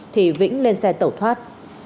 thì vĩnh lên xe tẩu thoát